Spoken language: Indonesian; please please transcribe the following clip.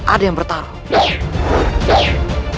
ada yang bertarungnya